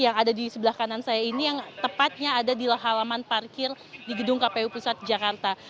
yang ada di sebelah kanan saya ini yang tepatnya ada di halaman parkir di gedung kpu pusat jakarta